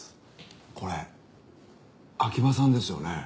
これ秋葉さんですよね？